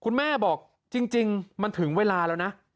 แม่บอกจริงมันถึงเวลาแล้วนะ